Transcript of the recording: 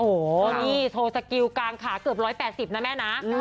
โอ้โหนี่โชว์สกิลกลางขาเกือบ๑๘๐นะแม่นะ